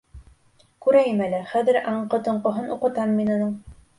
Күрәйем әле, хәҙер аң-ҡы-тоңҡоһон уҡытам мин уның.